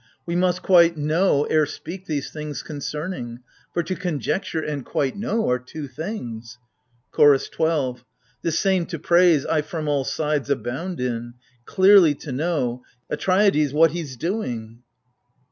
We must quite know ere speak these things concerning For to conjecture and " quite know " are two things. CHOROS 12. This same to praise I from all sides abound in — Clearly to know — Atreides, what he's doing